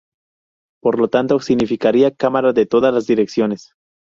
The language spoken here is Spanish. Por lo tanto significaría cámara de todas las direcciones.